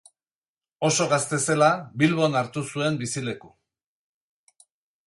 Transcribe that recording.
Oso gazte zela Bilbon hartu zuen bizileku.